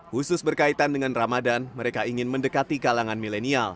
khusus berkaitan dengan ramadan mereka ingin mendekati kalangan milenial